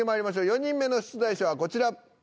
４人目の出題者はこちら。